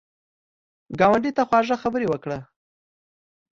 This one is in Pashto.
ګاونډي ته خواږه خبرې وکړه